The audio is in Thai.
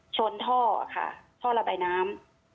ชนท่อค่ะท่อระบายน้ำ